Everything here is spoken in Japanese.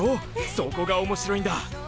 そこが面白いんだ！